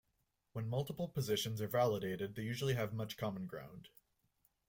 When multiple positions are validated, they usually have much common ground.